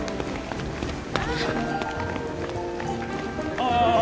ああ。